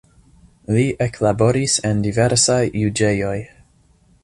Li eklaboris en diversaj juĝejoj.